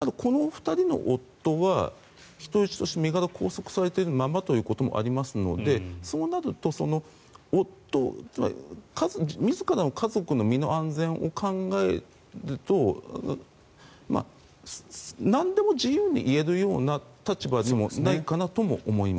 ただしを言いますとこの２人の場合で言うと例えばでいうとこの２人の夫は人質として身柄を拘束されているままということもありますのでそうなると夫、つまり自らの家族の身の安全を考えるとなんでも自由に言えるような立場にもないかなと思います。